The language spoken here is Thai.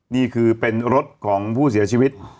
นี่คือเป็นรถของผู้เสียชีวิต